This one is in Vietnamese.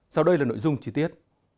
sau đây là nội dung chi tiết